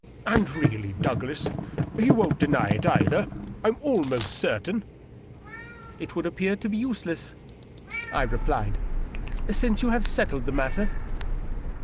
And really, Douglas, you won't deny it, either, I'm almost certain," " It would appear to be useless," I replied, " since you have settled the matter."